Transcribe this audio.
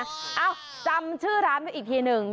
เอ้าจำชื่อร้านได้อีกทีหนึ่ง